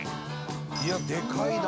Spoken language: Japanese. いやでかいな！